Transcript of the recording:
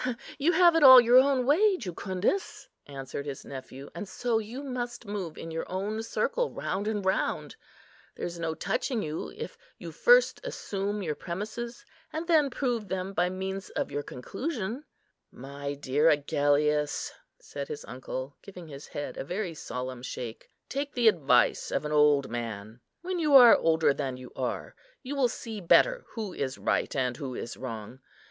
"You have it all your own way, Jucundus," answered his nephew, "and so you must move in your own circle, round and round. There is no touching you, if you first assume your premisses, and then prove them by means of your conclusion." "My dear Agellius," said his uncle, giving his head a very solemn shake, "take the advice of an old man. When you are older than you are, you will see better who is right and who is wrong.